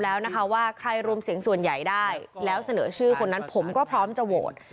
แล้วนะคะว่าใครรวมเสียงส่วนใหญ่ได้แล้วเสนอชื่อคนนั้นผมก็พร้อมจะโหวต